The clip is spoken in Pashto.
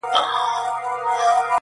تا ويل له سره ماله تېره يم خو~